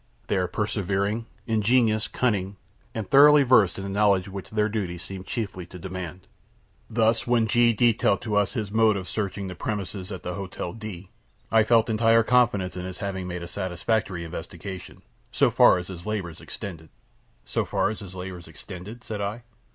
They are persevering, ingenious, cunning, and thoroughly versed in the knowledge which their duties seem chiefly to demand. Thus, when G detailed to us his mode of searching the premises at the Hotel D , I felt entire confidence in his having made a satisfactory investigation so far as his labors extended." "So far as his labors extended?" said I.